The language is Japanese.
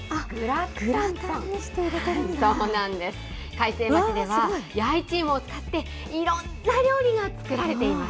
開成町では、弥一芋を使っていろんな料理が作られています。